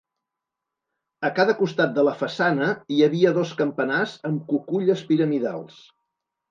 A cada costat de la façana hi havia dos campanars amb cuculles piramidals.